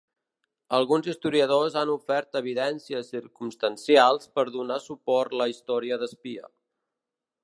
Alguns historiadors han ofert evidències circumstancials per donar suport la història d'espia.